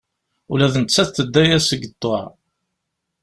Ula d nettat tedda-yas deg ṭṭuɛ.